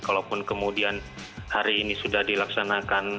kalaupun kemudian hari ini sudah dilaksanakan